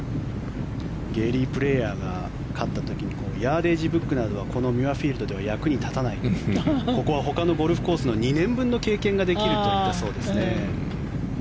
ゲーリー・プレーヤーが勝った時にヤーデージブックなどはこのミュアフィールドでは役に立たないとここはほかのゴルフコースの２年分の経験ができると言ったそうですね。